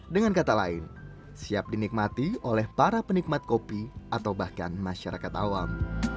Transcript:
dengan kata lain siap dinikmati oleh para penikmat kopi atau bahkan masyarakat awam